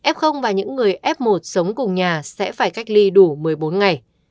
f và những người f một sống cùng nhà sẽ phải cách ly đủ một mươi bốn ngày